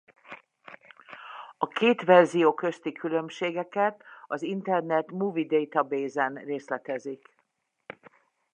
A két verzió közti különbségeket az Internet Movie Database-en részletezik.